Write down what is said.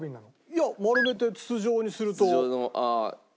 いや丸めて筒状にすると。